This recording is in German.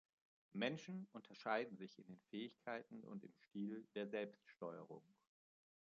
Menschen unterscheiden sich in den Fähigkeiten und im Stil der Selbststeuerung.